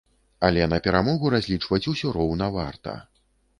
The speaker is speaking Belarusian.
Але на перамогу разлічваць усё роўна варта!